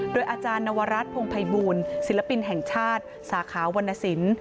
โดยอาจารย์นวรัฐพงภัยบูลศิลปินแห่งชาติสาขาวรรณสิน